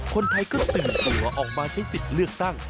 คนไทยก็ตื่นตัวออกมาใช้สิทธิ์เลือกตั้ง